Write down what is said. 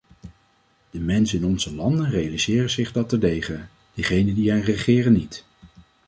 De mensen in onze landen realiseren zich dat terdege, degenen die hen regeren niet.